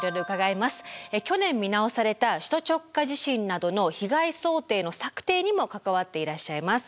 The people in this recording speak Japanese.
去年見直された首都直下地震などの被害想定の策定にも関わっていらっしゃいます。